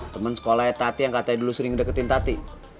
temen sekolahnya tati yang katanya dulu sering deketin tati